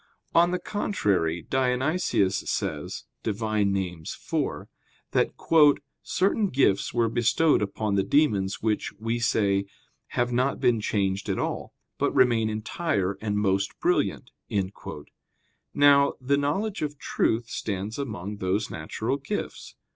On the contrary, Dionysius says (Div. Nom. iv) that, "certain gifts were bestowed upon the demons which, we say, have not been changed at all, but remain entire and most brilliant." Now, the knowledge of truth stands among those natural gifts.